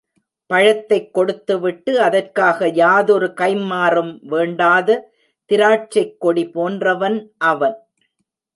பழத்தைக் கொடுத்துவிட்டு அதற்காக யாதொரு கைம்மாறும் வேண்டாத திராட்சைக் கொடி போன்றவன் அவன்.